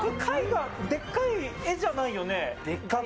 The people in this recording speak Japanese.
でっかい絵じゃないよね？